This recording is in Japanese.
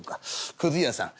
くず屋さん